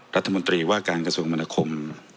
รัฐมนตรีว่าการกระทรวงมนาคม